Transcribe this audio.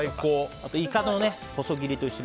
あとイカの細切りと一緒に。